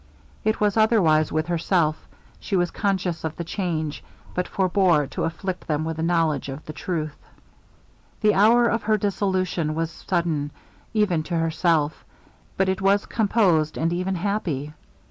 It was otherwise with herself; she was conscious of the change, but forbore to afflict them with the knowledge of the truth. The hour of her dissolution was sudden, even to herself; but it was composed, and even happy.